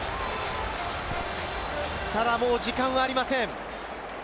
ただ、もう時間がありません。